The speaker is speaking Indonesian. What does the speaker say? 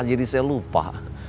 jadi saya lupa